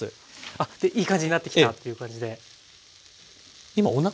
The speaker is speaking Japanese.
あっでいい感じになってきたっていう感じで。